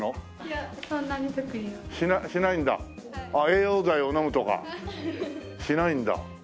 栄養剤を飲むとかしないんだ。